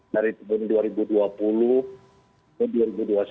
dari tahun dua ribu dua puluh ke dua ribu dua puluh satu